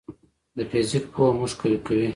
د فزیک پوهه موږ قوي کوي.